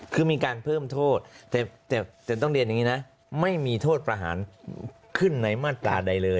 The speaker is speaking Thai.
คือมีการเพิ่มโทษแต่ต้องเรียนอย่างนี้นะ